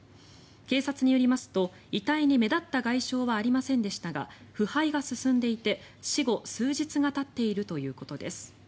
警察によりますと遺体に目立った外傷はありませんでしたが腐敗が進んでいて、死後数日がたっているということです。